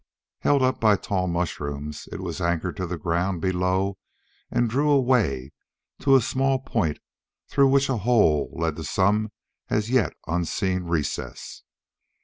Held up by tall mushrooms, it was anchored to the ground below and drew away to a small point through which a hole led to some as yet unseen recess.